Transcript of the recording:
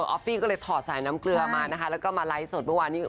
อฟฟี่ก็เลยถอดสายน้ำเกลือมานะคะแล้วก็มาไลฟ์สดเมื่อวานนี้